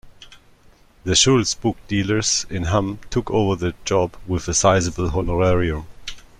The Schulz bookdealers in Hamm took over the job with a sizeable honorarium.